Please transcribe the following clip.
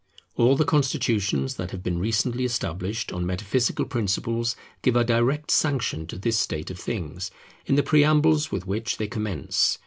All the constitutions that have been recently established on metaphysical principles give a direct sanction to this state of things, in the preambles with which they commence.